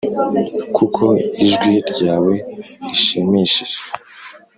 kuko ijwi ryawe rishimishije